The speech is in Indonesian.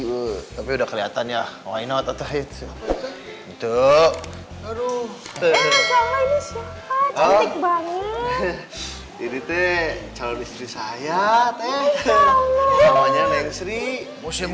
tuh tapi udah kelihatan ya why not atau itu aduh ini teh calon istri saya teh namanya neng sri museum